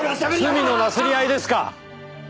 罪のなすり合いですか。